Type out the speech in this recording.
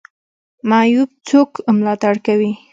معیوب څوک ملاتړ کوي؟